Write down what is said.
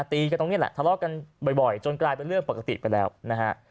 ตีกันตรงนี้แหละทะเลาะกันบ่อยจนกลายเป็นเรื่องปกติไปแล้วนะฮะ